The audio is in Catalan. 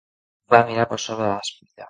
Va mirar per sobre de l'espatlla.